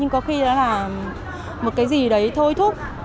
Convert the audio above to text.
đó là một cái gì đấy thôi thúc